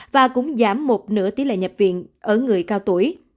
và cũng giảm một nửa tỷ lệ nhập viện ở người cao tuổi